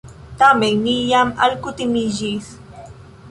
Tamen mi jam alkutimiĝis.